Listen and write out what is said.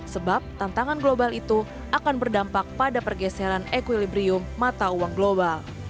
sebab tantangan global itu akan berdampak pada pergeseran equilibrium mata uang global